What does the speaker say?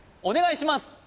お願いします